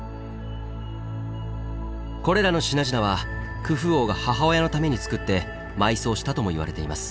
これらの品々はクフ王が母親のためにつくって埋葬したともいわれています。